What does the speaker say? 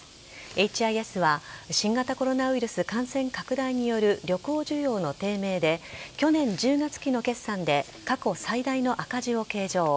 エイチ・アイ・エスは新型コロナウイルス感染拡大による旅行需要の低迷で去年１０月期の決算で過去最大の赤字を計上。